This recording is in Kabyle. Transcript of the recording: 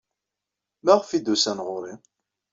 Maɣef ay d-usan ɣer-i?